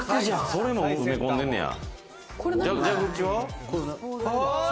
それも埋め込んでねんや。